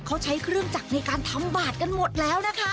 เขาใช้เครื่องจักรในการทำบาทกันหมดแล้วนะคะ